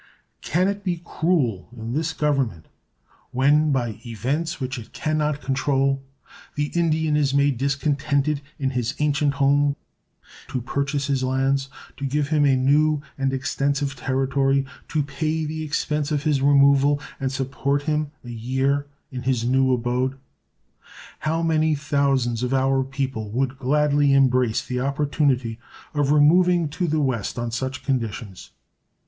Can it be cruel in this Government when, by events which it can not control, the Indian is made discontented in his ancient home to purchase his lands, to give him a new and extensive territory, to pay the expense of his removal, and support him a year in his new abode? How many thousands of our own people would gladly embrace the opportunity of removing to the West on such conditions!